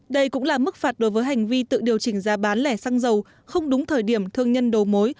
đây cũng là mức phạt đối với hành vi tự điều chỉnh giá bán lẻ xăng dầu không đúng thời điểm thương nhân đầu mối